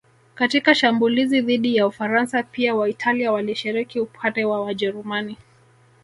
Katika shambulizi dhidi ya Ufaransa pia Waitalia walishiriki upande wa Wajerumani